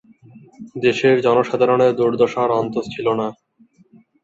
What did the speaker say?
দেশের জনসাধারণের দুর্দশার অন্ত ছিল না।